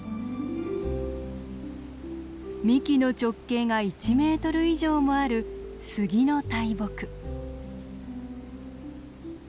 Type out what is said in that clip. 幹の直径が１メートル以上もあるスギの大木。